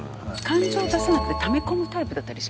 感情を出さなくてため込むタイプだったりします？